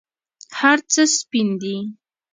هرڅه سپین دي